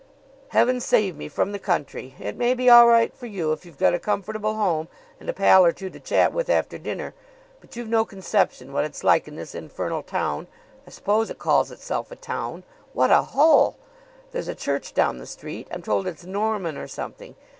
"Heaven save me from the country! It may be all right for you, if you've got a comfortable home and a pal or two to chat with after dinner; but you've no conception what it's like in this infernal town I suppose it calls itself a town. What a hole! There's a church down the street. I'm told it's Norman or something.